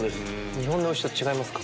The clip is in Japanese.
日本の牛と違いますか？